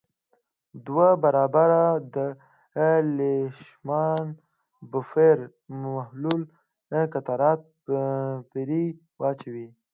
دوه برابره د لیشمان بفر محلول قطرات پرې واچوئ.